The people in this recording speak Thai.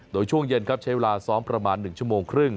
โดยช่วงเย็นครับใช้เวลาซ้อมประมาณ๑ชั่วโมงครึ่ง